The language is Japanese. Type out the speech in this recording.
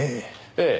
ええ。